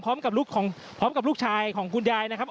พร้อมกับลูกชายของคุณยายนะครับ